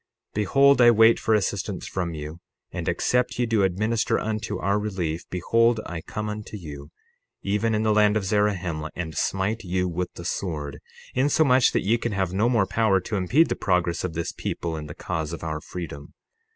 60:30 Behold, I wait for assistance from you; and, except ye do administer unto our relief, behold, I come unto you, even in the land of Zarahemla, and smite you with the sword, insomuch that ye can have no more power to impede the progress of this people in the cause of our freedom.